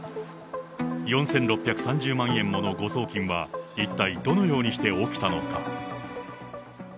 ４６３０万円もの誤送金は、一体どのようにして起きたのか。